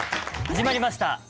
始まりました